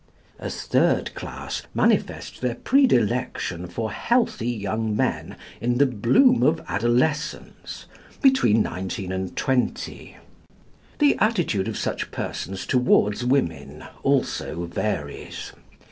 A third class manifest their predilection for healthy young men in the bloom of adolescence, between nineteen and twenty. The attitude of such persons towards women also varies.